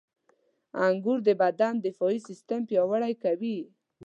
• انګور د بدن دفاعي سیستم پیاوړی کوي.